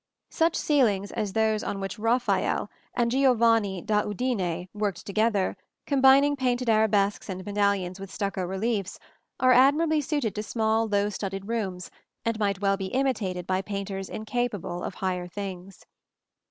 Such ceilings as those on which Raphael and Giovanni da Udine worked together, combining painted arabesques and medallions with stucco reliefs, are admirably suited to small low studded rooms and might well be imitated by painters incapable of higher things.